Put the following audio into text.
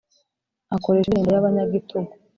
Akoresha indirimbo y’abanyagitugu